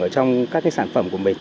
ở trong các sản phẩm của mình